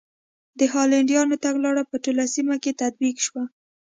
د هالنډیانو تګلاره په ټوله سیمه کې تطبیق شوه.